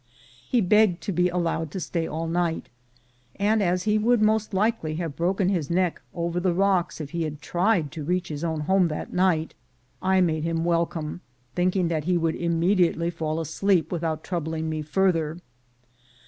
He begged to be allowed to stay all night; and as he would most likely have broken his neck over the rocks if he had tried to reach his own home that night, I made him welcome, thinking that he would immediately fall asleep without troubling me further.